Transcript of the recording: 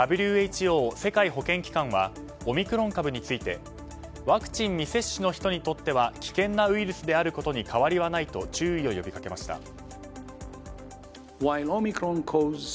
ＷＨＯ・世界保健機関はオミクロン株についてワクチン未接種の人にとっては危険なウイルスであることに変わりはないと注意を呼びかけました。